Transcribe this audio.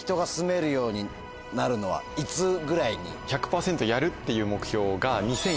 １００％やるっていう目標が。